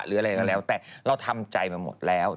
หรืออะไรก็แล้วแต่เราทำใจมาหมดแล้ว